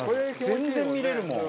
全然見れるもん。